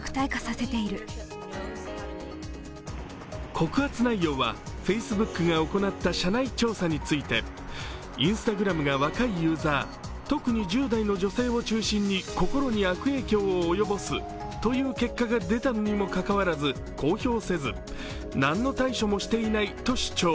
告発内容は、フェイスブックが行った社内調査についてＩｎｓｔａｇｒａｍが若いユーザー特に１０代の女性に心に悪影響を及ぼすという結果が出たにもかかわらず公表せず、何の対処もしていないと主張。